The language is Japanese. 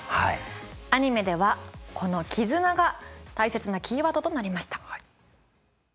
アニメではこのキズナが大切なキーワードとなりました。